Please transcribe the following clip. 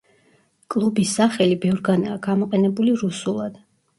კლუბის სახელი ბევრგანაა გამოყენებული რუსულად.